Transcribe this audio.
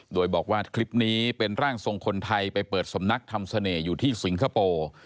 โดยบอกว่าคลิปนี้เป็นร่างทรงคนไทยไปเปิดสำนักทำเสน่ห์อยู่ที่สิงคโปร์